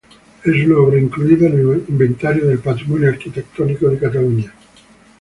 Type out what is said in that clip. Es una obra incluida en el Inventario del Patrimonio Arquitectónico de Cataluña.